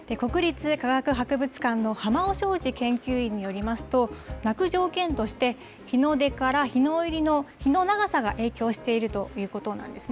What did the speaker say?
国立科学博物館の濱尾章二研究員によりますと、鳴く条件として、日の出から日の入りの日の長さが影響しているということなんですね。